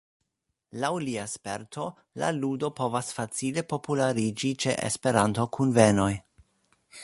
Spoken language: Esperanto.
Laŭ lia sperto la ludo povas facile populariĝi ĉe Esperanto-kunvenoj.